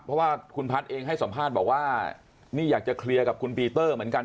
เพราะว่าคุณพัฒน์เองให้สัมภาษณ์บอกว่านี่อยากจะเคลียร์กับคุณปีเตอร์เหมือนกัน